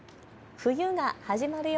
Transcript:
冬が始まるよ。